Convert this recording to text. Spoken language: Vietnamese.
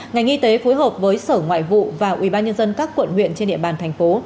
ngành y tế phối hợp với sở ngoại vụ và ubnd các quận huyện trên địa bàn thành phố